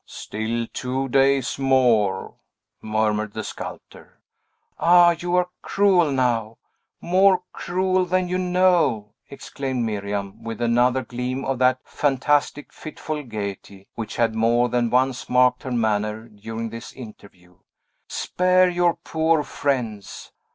"Still two days more!" murmured the sculptor. "Ah, you are cruel now! More cruel than you know!" exclaimed Miriam, with another gleam of that fantastic, fitful gayety, which had more than once marked her manner during this interview. "Spare your poor friends!"